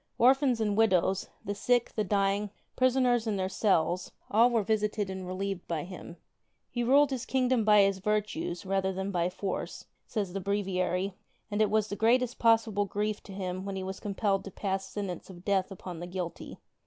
Orphans and widows, the sick, the dying, prisoners in their cells — all were visited and relieved by him. ^'He ruled his kingdom by his virtues, rather than by force," says the Breviary, and it was the greatest possible grief to him when he was compelled to pass sentence of death upon the guilty.